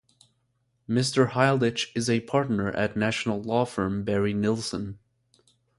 Mr Hilditch is a partner at national law firm, Barry.Nilsson.